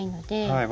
はい。